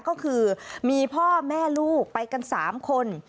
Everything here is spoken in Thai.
ก็คือมีพ่อแม่ลูกไปกัน๓คน